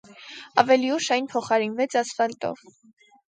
Ավելի ուշ այն փոխարինվեց ասֆալտով։